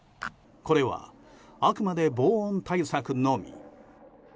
これは、あくまで防音対策のみ。